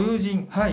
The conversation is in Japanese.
はい。